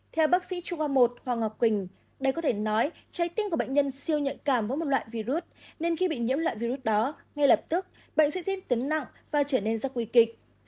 theo bác sĩ chuyên khoa một hoàng ngọc quỳnh đây có thể nói trái tim của bệnh nhân siêu nhận cảm với một loại virus nên khi bị nhiễm loại virus đó ngay lập tức bệnh sẽ diễn tấn nặng và trở nên rất nguy kịch